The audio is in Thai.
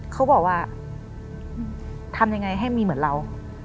เขาบอกว่าทำยังไงให้มีเหมือนเรา